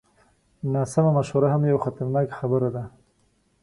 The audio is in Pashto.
ناسمه مشوره هم یوه خطرناکه خبره ده.